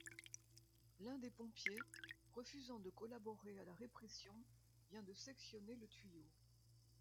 L'un des pompiers, refusant de collaborer à la répression, vient de sectionner le tuyau.